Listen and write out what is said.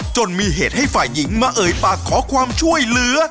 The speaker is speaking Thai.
จนมีเหตุให้ฝ่ายหญิงมาเอ่ยปากขอความช่วยเหลือ